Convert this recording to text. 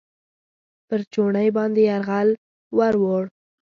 پر چوڼۍ باندې یرغل ورووړ.